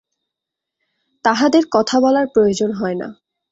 তাঁহাদের কথা বলার প্রয়োজন হয় না।